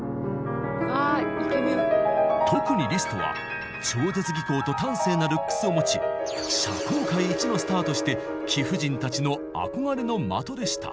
特にリストは超絶技巧と端正なルックスを持ち社交界一のスターとして貴婦人たちの憧れの的でした。